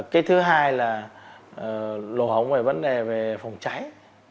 cái thứ hai là lộ hống về vấn đề về phòng cháy